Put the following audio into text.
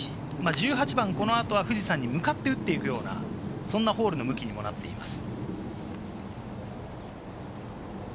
１８番、この後は富士山に向かって打っていくような、そんなホールの向きにもなっています。